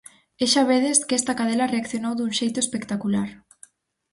E xa vedes que esta cadela reaccionou dun xeito espectacular.